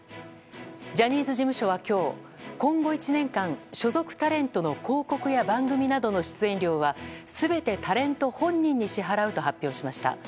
ジャニーズ事務所は、今日今後１年間、所属タレントの広告や番組などの出演料は全てタレント本人に支払うと発表しました。